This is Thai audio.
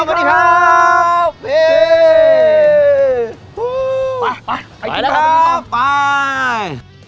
อ้าวไปไปไปแล้วครับไป